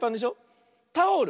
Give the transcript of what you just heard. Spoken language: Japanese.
「タオル」